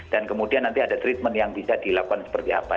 dan kemudian nanti ada treatment yang bisa dilakukan seperti apa